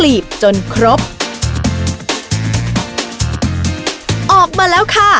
พี่ดาขายดอกบัวมาตั้งแต่อายุ๑๐กว่าขวบ